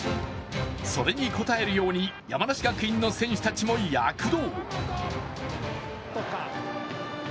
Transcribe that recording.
それに応えるように山梨学院の選手たちも躍動。